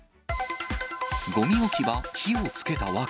ごみ置き場、火をつけた訳。